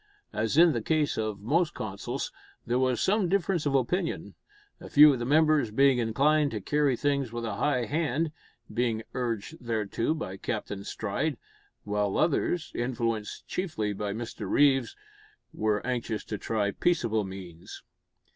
As in the case of most councils, there was some difference of opinion: a few of the members being inclined to carry things with a high hand being urged thereto by Captain Stride while others, influenced chiefly by Mr Reeves, were anxious to try peaceable means.